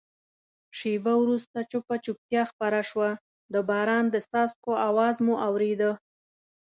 شېبه وروسته چوپه چوپتیا خپره شوه، د باران د څاڅکو آواز مو اورېده.